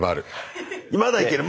まだいける。